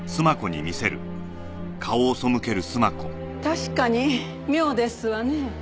確かに妙ですわね。